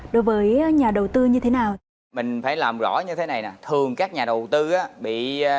đối với nhà đầu tư như thế nào mình phải làm rõ như thế này n thường các nhà đầu tư